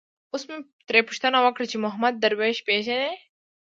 اوس مې ترې پوښتنه وکړه چې محمود درویش پېژني.